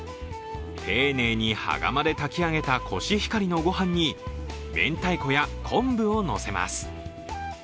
丁寧に羽釜で焚き上げたコシヒカリのご飯にめんたいこや昆布をのせます。